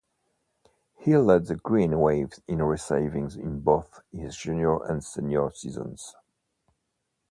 He led the Green Wave in receiving in both his junior and senior seasons.